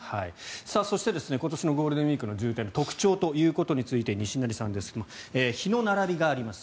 そして今年のゴールデンウィークの渋滞の特徴ということについて西成さんですが日の並びがあります。